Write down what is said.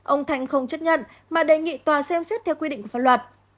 ông thành không chấp nhận mà đề nghị tòa xem xét theo quy định của pháp luật